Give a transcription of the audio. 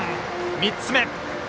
３つ目。